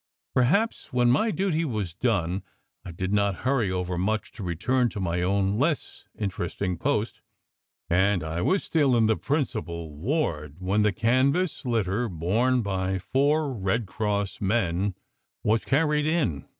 Perhaps when my duty was done I did not hurry overmuch to return to my own less interesting post; and I was still in the principal ward when the canvas litter borne by four Red Cross men was carried in.